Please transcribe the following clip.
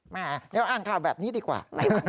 มาเลี้ยวอ้างค่ะแบบนี้ดีกว่า